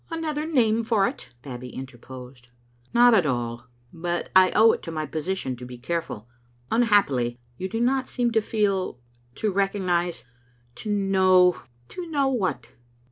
"Another name for it," Babbie interposed. " Not at all ; but I owe it to my position to be care ful. Unhappily, you do not seem to feel — to recognise ^to know "" To know what?"